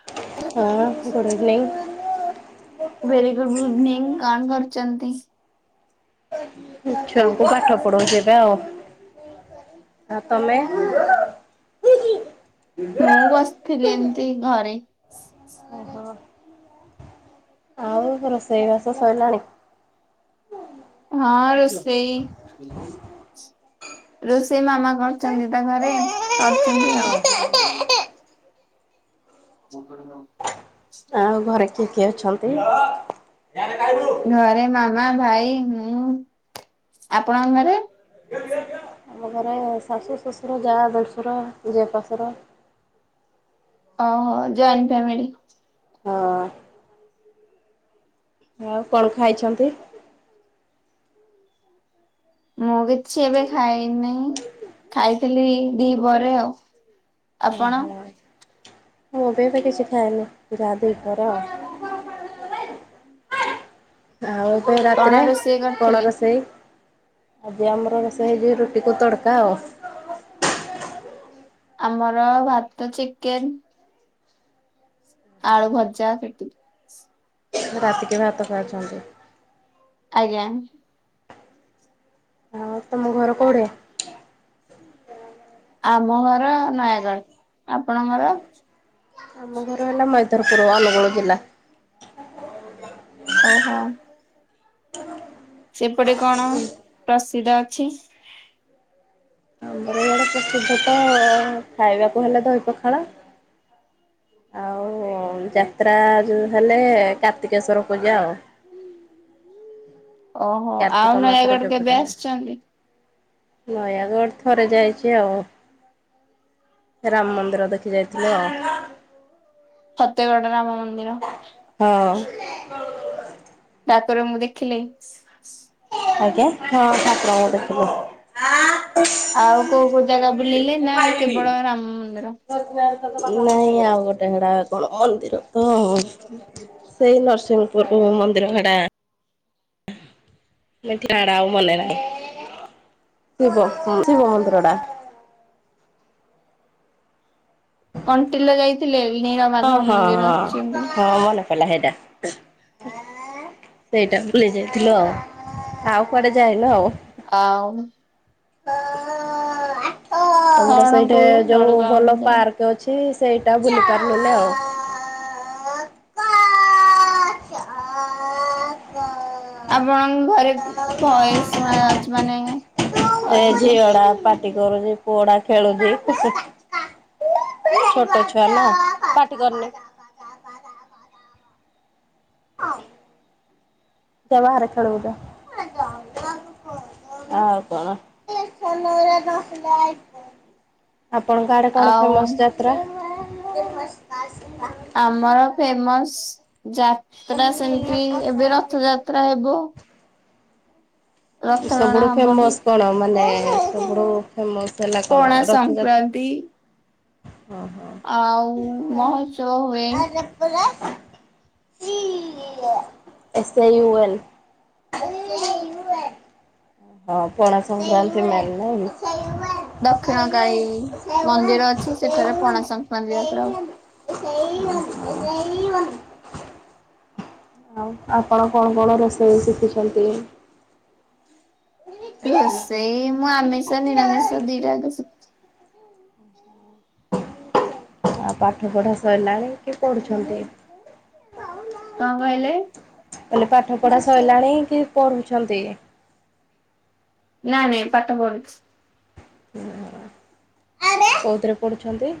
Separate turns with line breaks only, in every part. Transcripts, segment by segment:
ହଁ
ହଁ good evening.
Very good evening କଣ କରୁଛନ୍ତି?
ଆ ଛୁଆଙ୍କୁ ପାଠ ପଢଉଛି ଏବେ ଆଉ। ଆ ତମେ?
ମୁଁ ବସିଥିଲି ଏମିତି ଘରେ।
ହ ଆଉ ରୋଷେଇବାସ ଶଇଲଣି?
ହଁ ରୋଷେଇ। ରୋଷେଇ ମାମା କରୁଛନ୍ତି ତା ଘରେ କରିଛନ୍ତି ଆଉ। [unintelligible]
ଆଉ ଘରେ କିଏ କିଏ ଅଛନ୍ତି?
ଘରେ ମାମା ଭାଇ ମୁଁ ଆପଣଙ୍କ ଘରେ?
ଆମ ଘରେ ଶାଶୁ ଶଶୁର ଯା ଦେଢ଼ଶୁର ଜେପାଶୁର।
ଓହୋ ଜଏଣ୍ଟ ଫ୍ୟାମିଲି।
ହଁ। ଆଉ କଣ ଖାଇଛନ୍ତି?
ମୁଁ କିଛି ଏବେ ଖାଇନାହିଁ ଖାଇଥିଲି ଦି ପହର ପରେ ଆଉ। ଆପଣ?
ମୁଁ ଏବେ ବି କିଛି ଖାଏନି ଯା ଦୁଇ ପହର ଆଉ। ଆଉ ଏବେ
କଣ
ରାତିରେ
ରୋଷେଇ
କଣ
କରିଥିଲେ?
ରୋଷେଇ? ଆଜି ଆମର ରୋଷେଇ ହେଇଯିବ ରୁଟି କୁ ତଡକା ଆଉ।
ଆମର ଭାତ ଚିକେନ। ଆଳୁ ଭଜା ସେତିକି।
ରାତିକି ଭାତ ଖାଉଛନ୍ତି।
ଆଜ୍ଞା।
ଆଉ ତମ ଘର କୋଉଠେ?
ଆମ ଘର ନୟାଗଡ଼ ଆପଣଙ୍କର?
ଆମ ଘର ହେଲା ମଇଧରପୁର ଅନୁଗୁଳ ଜିଲ୍ଲା।
ଓ ହଁ ସେ ପଟେ କଣ ପ୍ରସିଦ୍ଧ ଅଛି?
ଆମର ଇଆଡ଼େ ପ୍ରସିଦ୍ଧ ତ ଖାଇବାକୁ ହେଲେ ଦହି ପଖାଳ। ଆଉ ଯାତ୍ରା ଯୋଉ ହେଲେ କାର୍ତ୍ତିକେଶ୍ୱର ପୂଜା ଆଉ।
ଓହୋ
କାର୍ତ୍ତିକ
ଆଉ
ମାସରେ
ନୟାଗଡ଼
ଯୋଉ ପୂଜା
କେବେ
ହୁଏ।
ଆସିଚନ୍ତି।
ନୟାଗଡ଼ ଥରେ ଯାଇଚି ଆଉ। ରାମ ମନ୍ଦିର ଦେଖି ଯାଇଥିଲୁ ଆଉ।
ସତ୍ୟଗଡ ରାମ ମନ୍ଦିର।
ହଁ
ଠାକୁରଙ୍କୁ ଦେଖିଲେ।
ଆଜ୍ଞା ହଁ ଠାକୁରଙ୍କୁ ଦେଖିଲି।
ଆଉ କୋଉ କୋଉ ଜାଗା ବୁଲିଲେ ନା କେବଳ ରାମ ମନ୍ଦିର।
ନାଇଁ ଆଉ ଗୋଟେ ହେଡା କଣ ମନ୍ଦିର ତ? ସେଇ ନରସିଂହପୁର ମନ୍ଦିର ହଡା [unintelligible] ଆଉ ମନେ ନାହିଁ ଶିବ ହଁ ଶିବ ମନ୍ଦିରଟା
କଣ୍ଟିଲୋ ଯାଇଥିଲେ ନୀଳମାଧବ ମନ୍ଦିର ଯିବି।
ହେଲା ହେଇଟା ସେଇଟା ବୁଲି ଯାଇଥିଲ ଅ ଆଉ କୁଆଡେ ଯାଇନୁ ଆଉ।
ଆଉ
ତମର ସେଇଠି
ଶରଣକୁଳୁ
ଯୋଉ
ଦଳୁବାବା
ଭଲ
ମନ୍ଦିର
ପାର୍କ ଅଛି। ସେଇଟା ବୁଲି ପାରିବିନି ଆଉ।
ଆପଣଙ୍କ ଘରେ ଭଏସ୍ ଶୁଣାଯାଉଚି ମାନେ
ଏଇ
ଅଧିକ
ଝିଅଟା ପାଟି କରୁଚି ପୁଅଟା ଖେଳୁଚି। ଛୋଟ ଛୁଆ ନାଁ ପାଟି କରନି। ଯାଆ ବାହାରେ ଖେଳିବୁ ଯାଆ। ଆଉ କଣ? ଆପଣଙ୍କ ଆଡ଼େ କଣ
ଆଉ
ଫେମସ୍ ଯାତ୍ରା?
ଆମର ଫେମସ୍ ଯାତ୍ରା ସେମିତି ଏବେ ରଥଯାତ୍ରା ହେବ। ରଥ
ଏ
ଟଣା
ସବୁଠୁ
ହବନି
ଫେମସ୍ କଣ ମାନେ ସବୁଠୁ ଫେମସ୍ ହେଲା କଣ
ପଣା ସଂକ୍ରାନ୍ତି
ରଥଯାତ୍ରା। ଓହୋ।
ଆଉ ମହାଉତ୍ସବ ହୁଏ।
ଗଲା। S U L. ହଁ ପଣା ସଂକ୍ରାନ୍ତି ମାନେ
ଦକ୍ଷିଣକାଳୀ ମନ୍ଦିର ଅଛି। ସେଠାରେ ପଣାସଂକ୍ରାନ୍ତି ଯାତ୍ରା
S U N S U N. ଆଉ ଆପଣ କଣ କଣ ରୋଷେଇ ଶିଖିଛନ୍ତି?
ରୋଷେଇ ମୁଁ ଆମିଷ ନିରାମିଷ ଦିଟା ଯାକ ଶିଖି
ଆଉ ପାଠ ପଢ଼ା ସରିଲାଣି କି ପଢ଼ୁଛନ୍ତି।
କଣ କହିଲେ?
କହିଲି ପାଠ ପଢ଼ା ସରିଲାଣି କି ପଢୁଛନ୍ତି?
ନାନୀ ପାଠ ପଢୁଛି।
ଓ ଆରେ କୋଉଥିରେ ପଢୁଛନ୍ତି?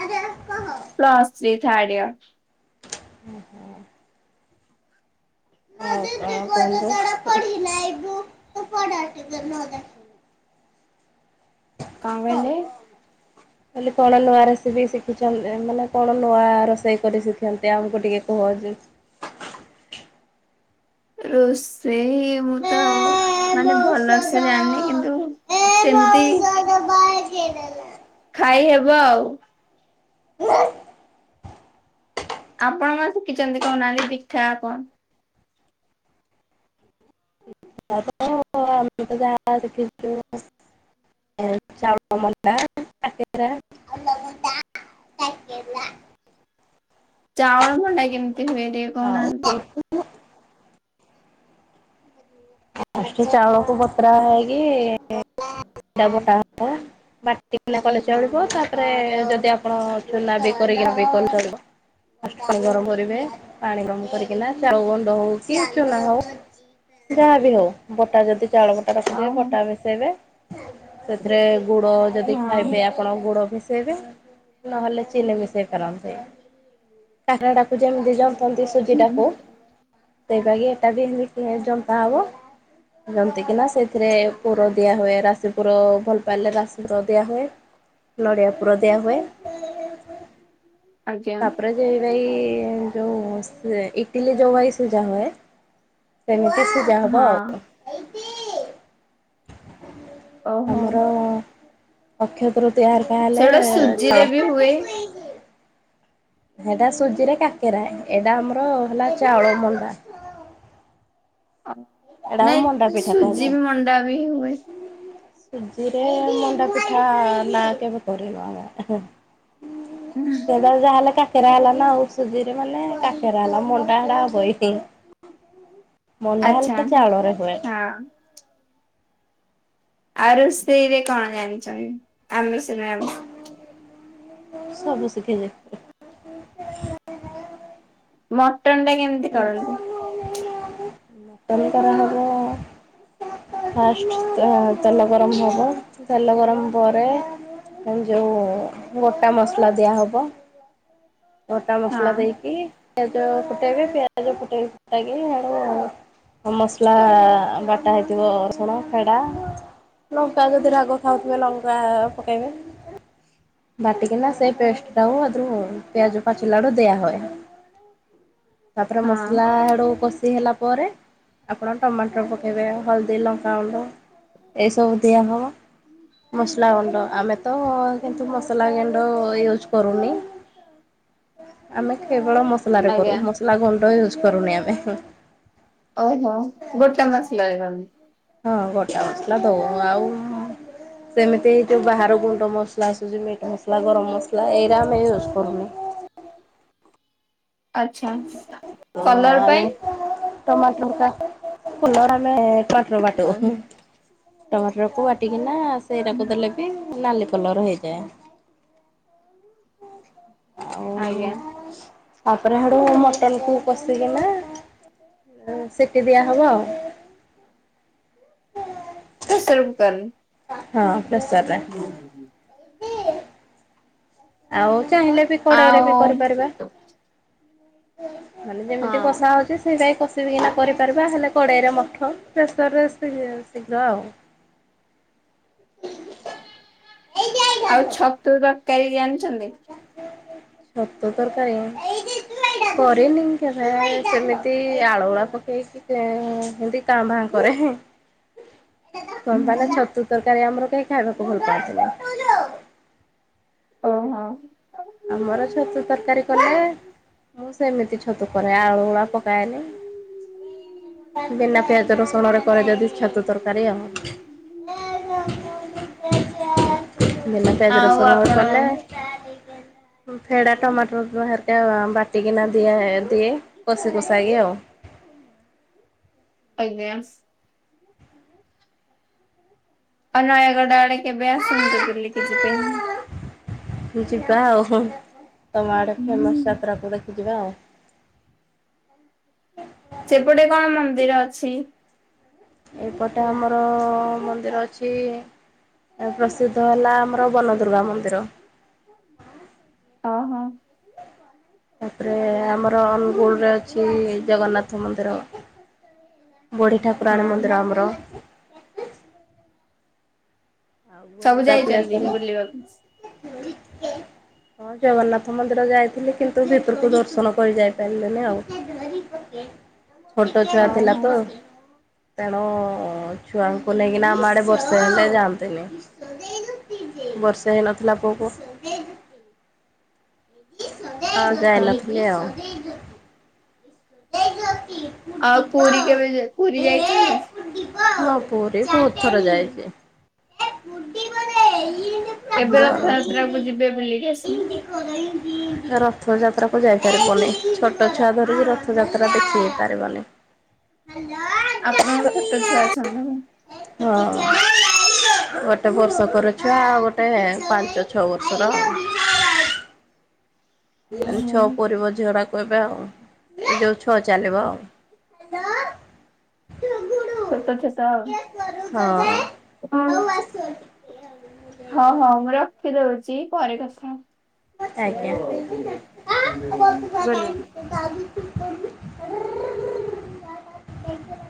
ଆଉ କଣ
ପ୍ଲସ୍ ଥ୍ରୀ ଥାର୍ଡ ଇୟର।
ଓହୋ ପଢି ନାଇବୁ। ପଢା ଟିକେ ନହେଲେ।
କ କହିଲେ?
ଖାଲି କଣ ନୂଆ ରେସିପି ଶିଖୁଛନି ମାନେ କଣ ନୂଆ ରୋଷେଇ କରି ଶିଖିନ୍ତି ଆମକୁ ଟିକେ କୁହ ଯେ?
ରୋଷେଇ ମୁଁ ତ ମାନେ ଭଲସେ ଜାଣିନି କିନ୍ତୁ ସେମିତି। ଖାଇ ହେବ ଆଉ। ଆପଣ କ ଶିଖିଛନ୍ତି କହୁନାହାନ୍ତି ବିଥା କଣ?
[unintelligible] ଚାଉଳ ମଣ୍ଡା। ଆ ତେହେରା।
ଚାଉଳ ଭଣ୍ଡା କେମିତି ହୁଏରେ
ହଉ ଫାଷ୍ଟେ ଚାଉଳକୁ ବତ୍ରା ହେଇକି ତାପରେ ଟା ହଁ ବଟିକିନା କଲେ ଚଳିବ ତାପରେ ଯଦି ଆପଣ ଝୁଜା ବି କରିକି ବି କରି ଚଳିବ ଫାଷ୍ଟେ ପାଣି ଗରମ କରିବେ। ପାଣି ଗମ୍ କରିକିନା ଚାଉ ଗଣ୍ଡ ହଉ କି ଚୁନା ହଉ ଯାହାବି ହଉ। ବଟା ଯଦି ଚାଉଳ ବଟା ରଖିଥିବେ
ଓହୋ
ବଟା ମିଶେଇବେ ସେଥିରେ ଗୁଡ ଯଦି
ହଁ।
ଖାଇବେ ଆପଣ ଗୁଡ ଭିସେଇବେ ନହେଲେ ଚିନି ମିଶେଇପାରନ୍ତି। କାକରା ଡାକୁଚି ଆମ ଦି ଯ ଯେମିତି
ହୁଁ
ସୁଜିଟାକୁ। ସେଇଟାକି ଏଟା ବି ଏମିତି ଜନ୍ତା ହବ। ଯେମିତି କିନା ନା ସେଥିରେ ପୁର ଦିଆ ହୁଏ ରାସ୍ତ ସେଇ ପୁର ଭଲ ପାଇଲେ ରାସିକ ଦିଆହୁଏ। ନଡ଼ିଆ ପୁର ଦିଆ ହୁଏ।
ଆଜ୍ଞା।
ଏ ଯଇ ବାଇ ଯଉ ସେ ଇଟଲି ଯଇ ବାଇ ସୂଜା ହୁଏ। ସେମିତି ସେ
ହଁ। ଓହୋ
ତମର। ଅକ୍ଷ ତୃତିଆ ରେ
ସେଗୁଡା
ତାହେଲେ
ସୁଜିରେ ବି ହୁଏ।
ଖାଁଅ। ସେଟା ସୁଜି ରେ କାକେରା ଏଟା ଆମର ହେଲା ଚାଉଳ ମଣ୍ଡା। ଏଇଟାକୁ
ନାଇଁ
ମଣ୍ଡା ପିଠା
ସୁଜି
କୁହାଯାଏ।
ବି ମଣ୍ଡା ବି ହୁଏ।
ସୁଜିରେ ମଣ୍ଡା ପିଠା ନାଁ କେବେ କରିନୁ ଆମର ଏହେ।
ହୁଁ,
ସେଡ଼େ ଯାହେଲେ କା କେରା ହେଲା ଆଉ ସୁଜିରେ ମାନେ କାକେରା ହେଲା ମଣ୍ଡାହଡା ହୋଇନି। ମଣ୍ଡା
ଆଚ୍ଛା।
ହେଲା ଚାଉଳରେ ହୁଏ।
ହଁ ଆଉ ରୋଷେଇରେ କ ଜାଣିଛନ୍ତି? ଆମିଷ ଆମିଷ
ସବୁ ଶିଖିଲି।
ମଟନଟା କେମିତି କରନ୍ତି?
[unintelligible] ତମେ ତ ରହ ଗାୟା। ଫାଷ୍ଟେ ତ ତେଲ ଗରମ ହବ। ତେଲ ଗରମ ପରେ ମ୍ୟମ୍ ଯୋଉ ଗୋଟା ମସଲା ଦିଆ ହବ ଗୋଟା ମସଲା
ହଁ
ଦେଇକି ପିଆଜ ଫୁଟେଇବେ ପିଆଜ ଫୁଟେଇକି ଫୁଟେଇକି ଆଣିବ ଆଉ ଅ ମସଲା ବାଟା ହେଇଥିବ ରସୁଣ ଫେଡ଼ା ଲଙ୍କା ଯଦି ରାଗ ଖାଉଥିବେ ଲଙ୍କା ପକେଇବେ ବାଟିକିନା ସେଇ ପେଷ୍ଟ ଟାକୁ ଆଦ୍ରୁ ପିଆଜ ପାଚିଲାରୁ ଦିଆ ହୁଏ। ତାପରେ
ହଁ
ମସଲା ଆଡୁ କଷି ହେଲା ପରେ। ଆପଣ ଟମାଟର ପକାଇବେ ହଳଦୀ ଲଙ୍କା ଗଣ୍ଡ। ଏଇସବୁ ଦିଆ ହବ ମସଲା ଗୁଣ୍ଡ ଆମେ ତ କିନ୍ତୁ ମସଲା ଗେଣ୍ଡ ୟୁଜ୍ କରୁନି ଆମେ କେବଳ ମସଲାରେ
ଆଜ୍ଞା
କରୁ ମସଲା ଗୁଣ୍ଡ ୟୁଜ କରୁନି ଆମେ
ଓହୋ ଗୋଟା ମସଲା [inaudible]
ହଁ ଗୋଟା ମସଲା ଦଉ ଆଉ ସେମିତି ଏଇ ଯୋଉ ବାହାର ଗୁଣ୍ଡ ମସଲା ଆସୁଛି ମିଟ୍ ମସଲା ଗରମ ମସଲା ଏଇଟା ଆମେ ୟୁଜ୍ କରୁନୁ
ଆଚ୍ଛା
ତ
କଲର ପାଇଁ
ଆମେ ଟମାଟର ଫୁଲର ଆମେ କଟର ବାଟୁ
ଓହୋ,
ଟମାଟରକୁୁ ବାଟିକିନା ସେଇଟାକୁ ଦେଲେ ବି ନାଲି କଲର ହେଇଯାଏ। ଆଉ
ଆଜ୍ଞା।
ତାପରେ ଆଡ଼ୁ ମଟନକୁ କଷିକିନା ସେଇଠି ଦିଆହେବ ଆଉ
ହେ ସେପ୍ କର।
ହଁ ଦଶରା।
ହୁଁ-ହୁଁ-ହୁଁ।
ଆଉ, ଚାହିଁଲେ ବି କଡେଇରେ
ଆଉ
ବି କରିପାରିବା। ମାନେ
ହଁ
ଯେମିତି କଷା ହଉଛି ସେଇଟାଇଁ କଷା କିନା କରିପାରିବା ହେଲେ, କଡ଼େଇରେ ମଠ ପ୍ରେସରରେ ଶୀଘ୍ର ଆଉ। କଇ [inaudible]
ଆଉ ଛତୁ ତରକାରୀ ଜାଣିଛନ୍ତି?
ଛତୁ ତରକାରୀ କଣ? କରିନି କେବେ, ସେମିତି ଆଳୁଉଳା ପକେଇକି ସେମତି କାଁ, ଭାଁ କରେ। କଣ ପାଇଁ ନା ଛତୁ ତରକାରୀ ଆମର କେହି ଖାଇବାକୁ ଭଲ ପାଅନ୍ତିନି।
ଓହୋ।
ଆମର ଛତୁ ତରକାରୀ କଲେ ମୁଁ ସେମିତି ଛତୁ କରେ, ଆଳୁଗୁଳା ପକାଏନି। ବିନା ପିଆଜ ରସୁଣ ରେ କରେ ଯଦି ଛତୁ ତରକାରୀ ଆଉ ବନା ପିଆଜ
ଆଉ
ରସୁନରେ
ଆପଣ
କଲେ। ଫେଡ଼ା ଟମାଟର ବାରିକା ବାଟିକିନା ଦିଆ, ଦିଏ କଷି କଷାକି ଆଉ।
ଆଜ୍ଞା। ଆଉ, ନୟାଗଡ ଆଡେ କେବେ ଆସୁନ୍ତୁ ବୁଲିକି ଯିବେ?
ଯିବା ଆଉ, ତମ ଆଡେ ଫେମସ ଯାତ୍ରାକୁ ଦେଖି ଯିବା ଆଉ
ସେପଟେ କଣ ମନ୍ଦିର ଅଛି?
ଏପଟେ ଆମର ମନ୍ଦିର ଅଛି ପ୍ରସିଦ୍ଧ ହେଲା ଆମର ବନଦୁର୍ଗା ମନ୍ଦିର।
ଓ, ହଁ।
ତାପରେ ଆମର ଅନୁଗୁଳରେ ଅଛି ଜଗନ୍ନାଥ ମନ୍ଦିର। ବୁଢୀ ଠାକୁରାଣୀ
ହଁ
ମନ୍ଦିର ଆମର ଆଉ
ସବୁ
ବୁଲିବା
ଯାଇଛନ୍ତି
ପ୍ଲେସ
ବୁଲିବାକୁ।
ନାହିଁ? ହଁ! ଜଗନ୍ନାଥ ମନ୍ଦିର ଯାଇଥିଲି, କିନ୍ତୁ ଭିତରକୁ ଦର୍ଶନ କରି ଯାଇ ପାରିଲିନି ଆଉ। ଛୋଟ ଛୁଆ ଥିଲା
ଓହୋ
ତ। ତେଣୁ ଛୁଆଙ୍କୁ ନେଇକିନା ଆମ ଆଡେ ବର୍ଷେ ହେଲେ ଯାଆନ୍ତି। ବର୍ଷେ ହେଇନଥିଲା ପୁଅକୁ।
ଆଚ୍ଛା
ଯାଇନଥିଲି ଆଉ। [inaudible]
ଆଉ ପୁରୀ କେବେଯା ପୁରୀ ଯାଇଚନ୍ତି?
ହଁ ପୁରୀ ବୋହୁତ ଥର ଯାଇଚି।
କେବେ ରଥଯାତ୍ରା କୁ ଯିବେ ବୁଲିକି ଆସି
ରଥଯାତ୍ରାକୁ ଯାଇପାରିବୁନି ଛୋଟ ଛୁଆ ଧରିକି ରଥଯାତ୍ରା [unintelligible]
ଆପଣଙ୍କ ଛୋଟ ଛୁଆ ଅଛନ୍ତି ନା।
ହଁ। ଗୋଟେ ବର୍ଷକର ଛୁଆ ଆଉ ଗୋଟେ ପାଞ୍ଚ ଛଅ ବର୍ଷର। ଛଅ ପୁରିବ ଝିଅ ଟାକୁ। ଏବେ ଆଉ ଯୋଉ ଛ ଚାଲିବ ଆଉ ହଁ।
[unintelligible] ହଁ ହଁ ମୁଁ ରଖିଦୋଉଚି ପରେ କଥା ହ ଗୁଡ୍ ନାଇଟ୍।
ଆଜ୍ଞା।